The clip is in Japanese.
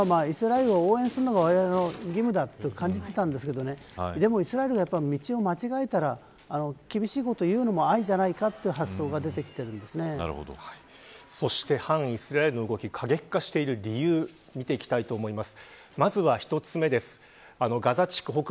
おっしゃるとおりでこれまで、アメリカのユダヤ人はイスラエルを応援するのがわれわれの義務だと感じていますけどでもイスラエルが道を間違えたら厳しいことを言うのも愛じゃないかという発想がそして、反イスラエルの動き過激化している理由を見ていきたいと思います。